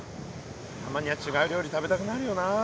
たまには違う料理食べたくなるよな。